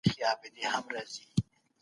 دا ځوان په تنور کي د واښو په څیر سوځي.